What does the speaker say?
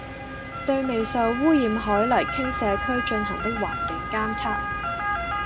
對未受污染海泥傾卸區進行的環境監測